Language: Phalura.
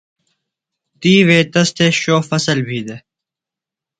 تی وے تسی شو فصل بھی دےۡ۔